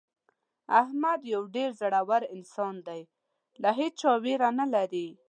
احمد یو ډېر زړور انسان دی له هېچا ویره نه لري.